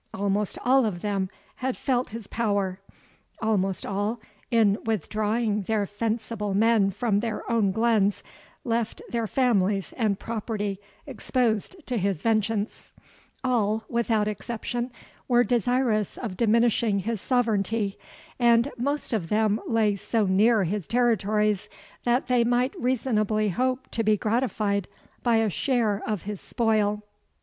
Almost all of them had felt his power; almost all, in withdrawing their fencible men from their own glens, left their families and property exposed to his vengeance; all, without exception, were desirous of diminishing his sovereignty; and most of them lay so near his territories, that they might reasonably hope to be gratified by a share of his spoil.